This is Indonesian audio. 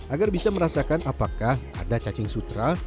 agar bisa merasakan apakah ada cacing sutra